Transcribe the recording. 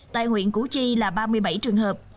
tại huyện củ chi là ba mươi bảy trường hợp